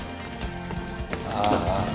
ああ。